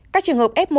các trường hợp f một